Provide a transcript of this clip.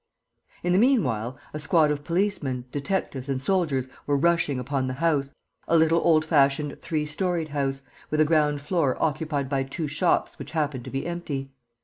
In the meanwhile, a squad of policemen, detectives and soldiers were rushing upon the house, a little old fashioned, three storied house, with a ground floor occupied by two shops which happened to be empty.